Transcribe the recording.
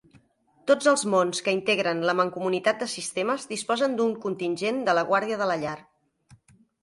Tots els mons que integren la Mancomunitat de Sistemes disposen d'un contingent de la Guàrdia de la Llar.